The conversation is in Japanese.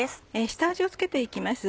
下味を付けて行きます。